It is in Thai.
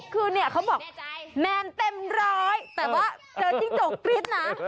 คือเขาบอกแมนเต็มร้อยแต่ว่าเจอจริงโจรกฤทธิ์นะ